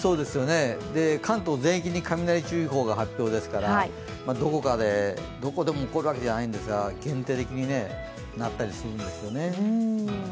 関東全域に雷注意報が発表ですからどこかで、どこでも起こるわけではないですが、限定的になったりするんですよね。